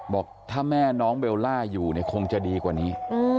บอกถ้าแม่น้องเบลล่าอยู่เนี่ยคงจะดีกว่านี้